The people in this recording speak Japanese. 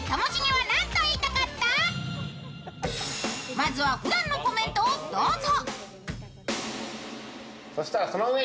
まずは、ふだんのコメントをどうぞ。